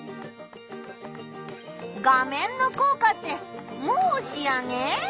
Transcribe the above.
画面のこうかってもう仕上げ？